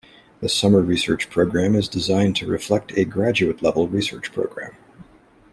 The Summer Research Program is designed to reflect a graduate-level research program.